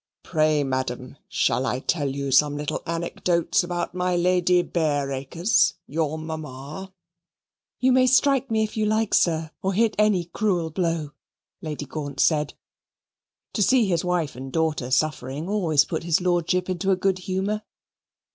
Pray, madam, shall I tell you some little anecdotes about my Lady Bareacres, your mamma?" "You may strike me if you like, sir, or hit any cruel blow," Lady Gaunt said. To see his wife and daughter suffering always put his Lordship into a good humour.